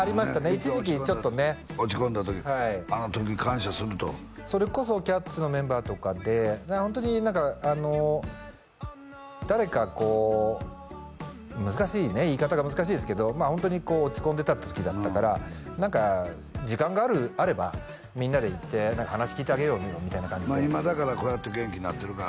一時期ちょっとね落ち込んだ時あの時感謝するとそれこそ「キャッツ」のメンバーとかでホントに何か誰かこう難しいね言い方が難しいですけどホントにこう落ち込んでた時だったから何か時間があればみんなで行って話聞いてあげようみたいな感じで今だからこうやって元気になってるから